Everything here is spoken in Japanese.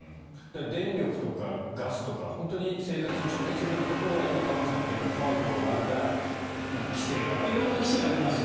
電力とかガスとか本当に生活に直結するようなところは今、玉川さんが言ったような怖いところがあるから色んな規制があります。